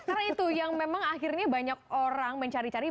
karena itu yang memang akhirnya banyak orang mencari cari